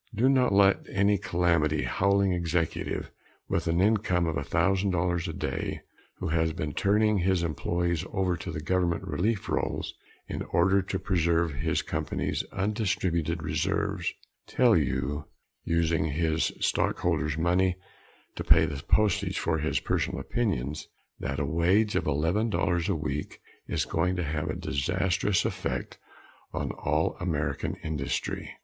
Do not let any calamity howling executive with an income of $1,000 a day, who has been turning his employees over to the government relief rolls in order to preserve his company's undistributed reserves, tell you using his stockholders' money to pay the postage for his personal opinions that a wage of $11 a week is going to have a disastrous effect on all American industry.